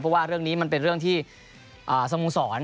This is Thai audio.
เพราะว่าเรื่องนี้มันเป็นเรื่องที่สโมสร